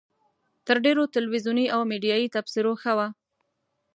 تر ډېرو تلویزیوني او میډیایي تبصرو ښه وه.